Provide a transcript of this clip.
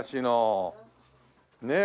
ねえ。